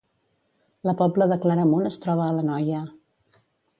La Pobla de Claramunt es troba a l’Anoia